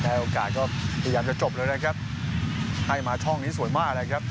โอกาสก็พยายามจะจบเลยนะครับให้มาช่องนี้สวยมากนะครับ